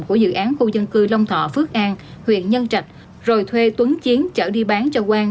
của dự án khu dân cư long thọ phước an huyện nhân trạch rồi thuê tuấn chiến chở đi bán cho quang